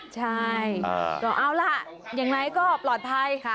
ใช่เอาล่ะอย่างไรก็ปลอดภัย